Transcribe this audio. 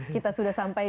kita sudah sampai